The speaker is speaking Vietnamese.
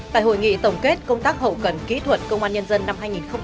tại hội nghị tổng kết công tác hậu cần kỹ thuật công an nhân dân năm hai nghìn hai mươi ba